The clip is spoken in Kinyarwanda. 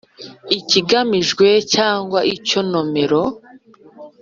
Ikigamijwe cyangwa icyo nomero